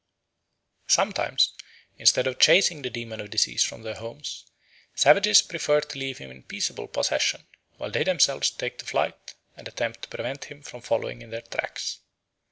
Sometimes, instead of chasing the demon of disease from their homes, savages prefer to leave him in peaceable possession, while they themselves take to flight and attempt to prevent him from following in their tracks.